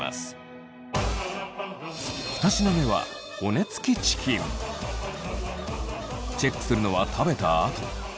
２品目はチェックするのは食べたあと。